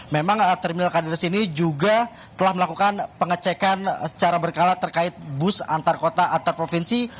memang terminal kanderes ini juga telah melakukan pengecekan secara berkala terkait bus antar kota antar provinsi